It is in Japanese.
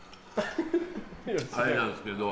あれなんすけど。